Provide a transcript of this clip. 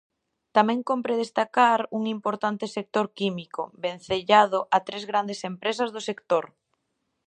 Tamén cómpre destacar un importante sector químico, vencellado a tres grandes empresas do sector.